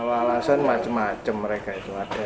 kalau alasan macam macam mereka itu ada